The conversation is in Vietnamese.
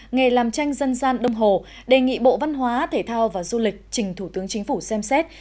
nghề làm tranh dân gian đông hồ đề nghị bộ văn hóa thể thao và du lịch trình thủ tướng chính phủ xem xét